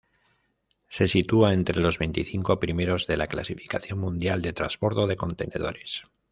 Se sitúa entre los veinticinco primeros de la clasificación mundial de trasbordo de contenedores.